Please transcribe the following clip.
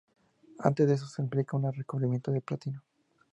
Antes de eso se aplica un recubrimiento de platino.